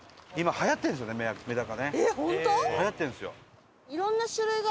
はやってるんですよ。